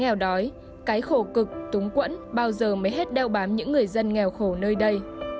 nghèo đói cái khổ cực túng quẫn bao giờ mới hết đeo bám những người dân nghèo khổ nơi đây